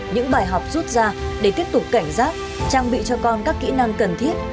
những bài học rút ra để tiếp tục cảnh giác trang bị cho con các kỹ năng cần thiết